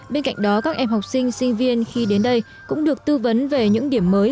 bên cạnh đó các em học sinh sinh viên khi đến đây cũng được tư vấn về những điểm mới